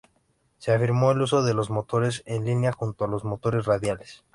Se afirmó el uso de los motores en línea, junto a los motores radiales.